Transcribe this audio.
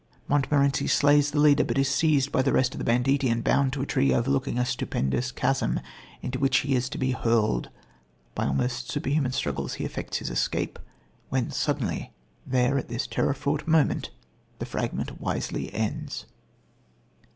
Montmorenci slays the leader, but is seized by the rest of the banditti and bound to a tree overlooking a stupendous chasm into which he is to be hurled. By almost superhuman struggles he effects his escape, when suddenly there at this terror fraught moment, the fragment wisely ends.